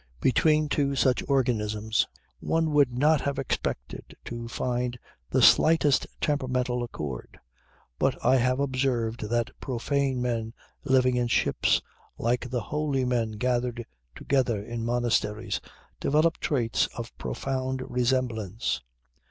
Between two such organisms one would not have expected to find the slightest temperamental accord. But I have observed that profane men living in ships like the holy men gathered together in monasteries develop traits of profound resemblance.